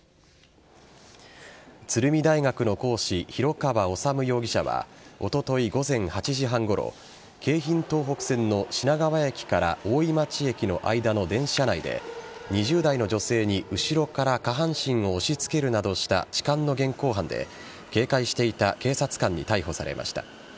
鶴見大学の講師・広川治容疑者はおととい午前８時半ごろ京浜東北線の品川駅から大井町駅の間の電車内で２０代の女性に、後ろから下半身を押しつけるなどした痴漢の現行犯で警戒していた警察官に逮捕されました。